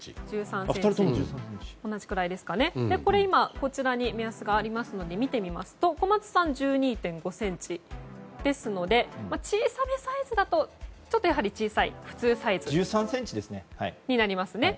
こちらに目安があるので見てみますと小松さんは１２．５ｃｍですので小さめサイズだとちょっとやはり小さいので普通サイズになりますね。